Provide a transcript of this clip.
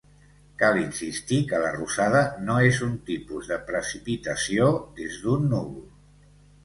Cal insistir que la rosada no és un tipus de precipitació des d’un núvol.